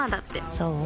そう？